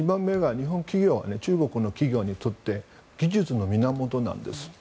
２番目が日本企業は中国企業にとって技術の源です。